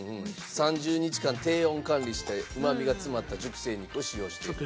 ３０日間低温管理してうまみが詰まった熟成肉を使用していると。